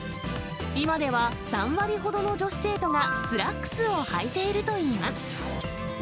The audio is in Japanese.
今では３割ほどの女子生徒が、スラックスをはいているといいます。